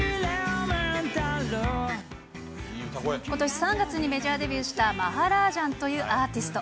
ことし３月にメジャーデビューしたマハラージャンというアーティスト。